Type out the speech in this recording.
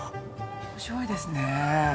面白いですね。